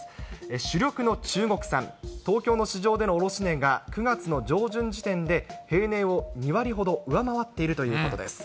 主力の中国産、東京の市場での卸値が、９月の上旬時点で平年を２割ほど上回っているということです。